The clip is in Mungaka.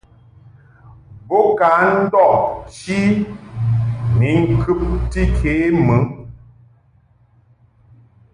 Bo ka ndɔʼ chi ni ŋkɨbti ke mɨ.